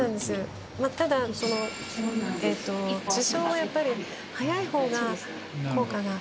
ただ受傷後やっぱり早いほうが効果が。